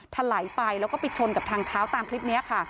ถลายไปแล้วก็ไปชนกับทางเท้าตามคลิปนี้ค่ะ